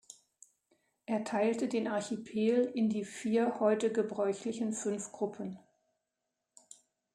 Er teilte den Archipel in die vier heute gebräuchlichen fünf Gruppen.